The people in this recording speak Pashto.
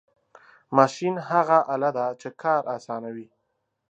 ماشین هغه آله ده چې کار آسانوي.